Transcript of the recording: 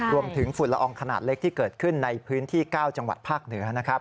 ฝุ่นละอองขนาดเล็กที่เกิดขึ้นในพื้นที่๙จังหวัดภาคเหนือนะครับ